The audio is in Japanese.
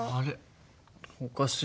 おかしいな。